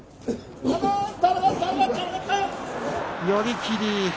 寄り切り。